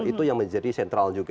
itu yang menjadi sentral juga